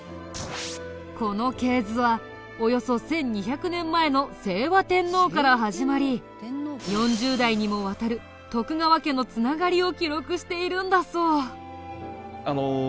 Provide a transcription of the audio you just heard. この系図はおよそ１２００年前の清和天皇から始まり４０代にもわたる徳川家の繋がりを記録しているんだそう。